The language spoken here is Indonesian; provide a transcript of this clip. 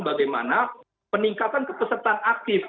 bagaimana peningkatan kepesertaan aktif